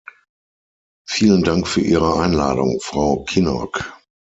Vielen Dank für Ihre Einladung, Frau Kinnock.